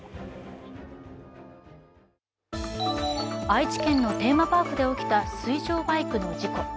愛知県のテーマパークで起きた水上バイクの事故。